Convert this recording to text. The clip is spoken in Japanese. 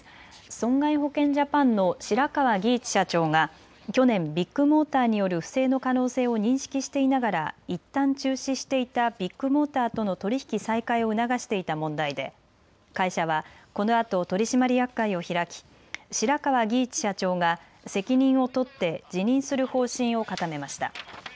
損害保険ジャパンの白川儀一社長が去年、ビッグモーターによる不正の可能性を認識していながらいったん中止していたビッグモーターとの取り引き再開を促していた問題で会社はこのあと取締役会を開き白川儀一社長が責任を取って辞任する方針を固めました。